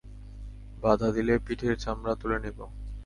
বাঁধা দিলে পিঠের চামড়া তুলে নিব।